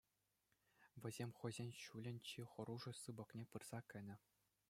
Вӗсем хӑйсен ҫулӗн чи хӑрушӑ сыпӑкне пырса кӗнӗ.